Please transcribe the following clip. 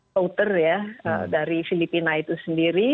poter ya dari filipina itu sendiri